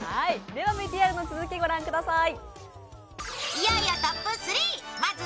ではＶＴＲの続き、御覧ください。